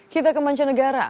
kita ke mancanegara